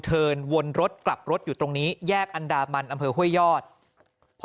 เทินวนรถกลับรถอยู่ตรงนี้แยกอันดามันอำเภอห้วยยอดพอ